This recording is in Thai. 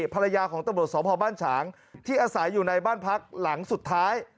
ภรรยาของตำรวจสพบ้านฉางที่อาศัยอยู่ในบ้านพักหลังสุดท้าย